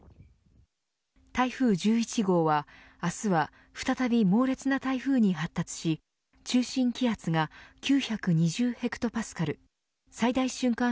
台風１１号は明日は再び猛烈な台風に発達し中心気圧が９２０ヘクトパスカル最大瞬間